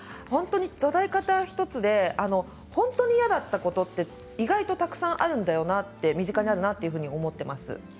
捉え方１つで本当に嫌だったことって意外とたくさんあるんだよなって身近にあるなと思っています。